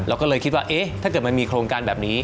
เราก็เลยคิดว่าเอ๊ะถ้าเกิดมันมีโครงการแบบนี้